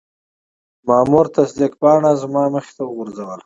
مامور تصدیق پاڼه زما مخې ته وغورځوله.